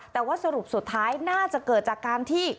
แต่ว่าสรุปสุดท้ายน่าจะเกิดจากการที่